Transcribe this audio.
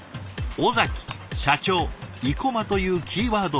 「尾崎」「社長」「生駒」というキーワード